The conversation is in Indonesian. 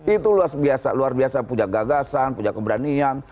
itu luar biasa luar biasa punya gagasan punya keberanian